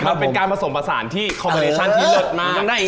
มันเป็นการผสมผสานที่คอมมิเนชั่นที่เลิศมาก